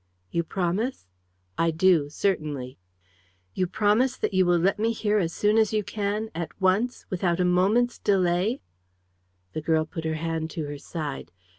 "You promise?" "I do certainly." "You promise that you will let me hear as soon as you can at once without a moment's delay?" The girl put her hand to her side.